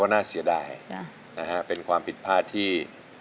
น่าเสียดายนะฮะเป็นความผิดพลาดที่